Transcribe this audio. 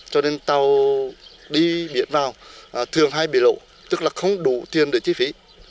cho nên tàu đi hiện vào thường hay bị lộ tức là không đủ tiền để chi phí